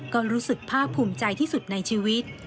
ก็รู้สึกภาคภูมิใจที่สุดในชีวิต